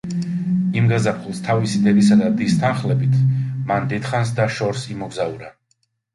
იმ გაზაფხულს, თავისი დედისა და დის თანხლებით, მან დიდხანს და შორს იმოგზაურა.